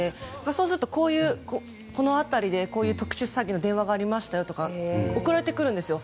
そうすると、この辺りでこういう特殊詐欺の電話がありましたよとか送られてくるんですよ。